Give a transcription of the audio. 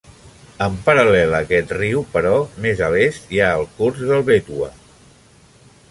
En paral·lel a aquest riu, però més a l'est, hi ha el curs del Betwa.